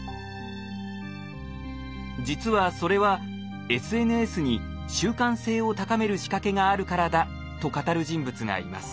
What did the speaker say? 実はそれはＳＮＳに習慣性を高める仕掛けがあるからだと語る人物がいます。